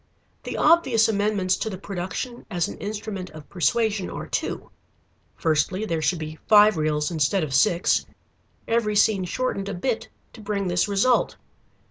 The obvious amendments to the production as an instrument of persuasion are two. Firstly there should be five reels instead of six, every scene shortened a bit to bring this result.